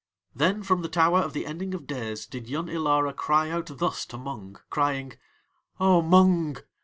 Then from the tower of the Ending of Days did Yun Ilara cry out thus to Mung, crying: "O Mung!